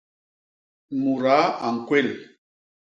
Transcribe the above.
Mudaa a ñkwél.